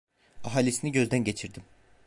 Ahalisini gözden geçirdim…